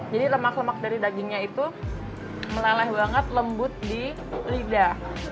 jadi lemak lemak dari dagingnya itu melaleh banget lembut di lidah